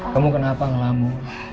kamu kenapa ngelamu